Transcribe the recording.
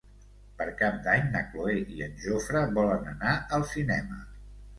Per Cap d'Any na Cloè i en Jofre volen anar al cinema.